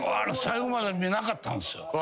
最後まで見なかったんですよ。